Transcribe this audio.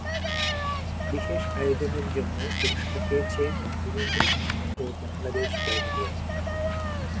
বিশেষ আয়োজনের জন্য পুরস্কার পেয়েছে বঙ্গবন্ধু ও বাংলাদেশ প্যাভিলিয়ন।